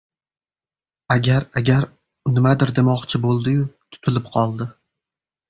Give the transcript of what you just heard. Agar... agar... — U nimadir demoqchi bo‘ldi-yu, tutilib qoldi.